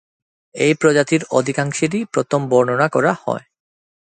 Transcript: এই প্রজাতির অধিকাংশেরই প্রথম বর্ণনা করা হয়।